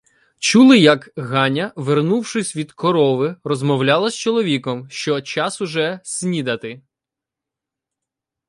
Чули, як Ганя, вернувшись від корови, розмовляла з чоловіком, що час уже снідати.